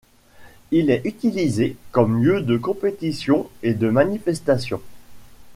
Il est utilisé comme lieu de compétition et de manifestation.